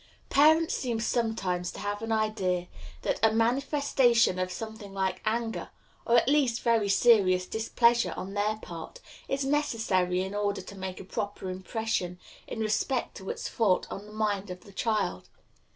Parents seem sometimes to have an idea that a manifestation of something like anger or, at least, very serious displeasure on their part is necessary in order to make a proper impression in respect to its fault on the mind of the child.